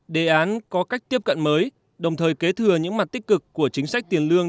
đề án có cách tiếp cận mới đồng thời kế thừa những mặt tích cực của chính sách tiền lương